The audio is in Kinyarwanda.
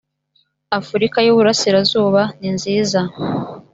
afurika y iburasirazuba ninziza